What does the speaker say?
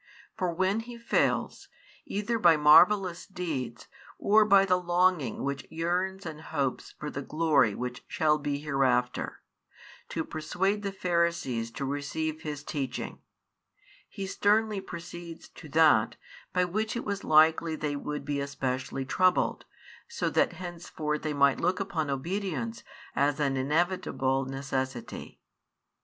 For when He fails, either by marvellous deeds or by the longing which yearns and hopes for the glory which shall be hereafter, to persuade the Pharisees to receive His teaching; He sternly proceeds to that, by which it was likely they would be especially troubled, so that henceforth they might look upon obedience as an inevitable necessity.